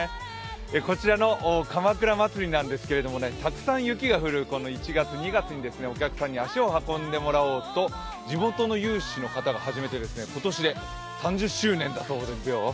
こちらのかまくら祭なんですけれども、たくさん雪が降る１月、２月にお客さんに足を運んでもらおうと地元の有志の方が始めて、今年で３０周年だそうですよ。